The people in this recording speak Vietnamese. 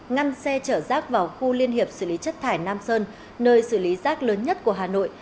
ngăn xe chở rác vào khu liên hiệp xử lý chất thải nam sơn nơi xử lý rác lớn nhất của hà nội